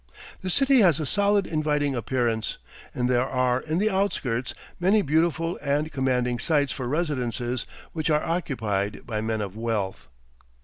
The city has a solid inviting appearance, and there are in the outskirts many beautiful and commanding sites for residences, which are occupied by men of wealth.